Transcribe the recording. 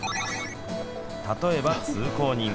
例えば通行人。